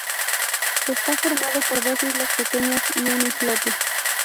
Está formado por dos islas pequeñas y un islote.